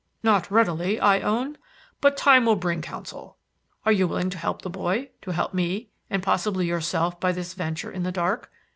"Not readily, I own. But time will bring counsel. Are you willing to help the boy, to help me and possibly yourself by this venture in the dark?